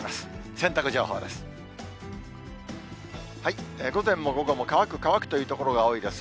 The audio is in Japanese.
洗濯情報です。